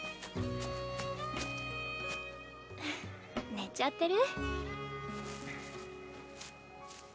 寝ちゃってる？